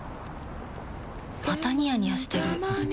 またニヤニヤしてるふふ。